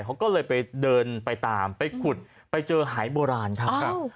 เขาก็เลยไปเดินไปตามไปขุดไปเจอหายโบราณครับ